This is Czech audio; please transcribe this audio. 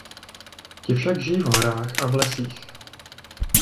Ti však žijí v horách a v lesích.